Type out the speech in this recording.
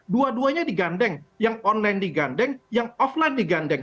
dua duanya digandeng yang online digandeng yang offline digandeng